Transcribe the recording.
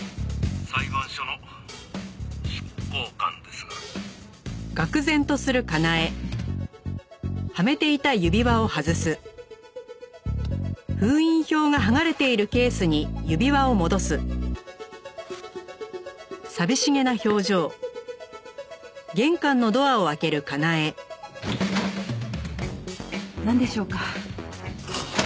「裁判所の執行官ですが」なんでしょうか？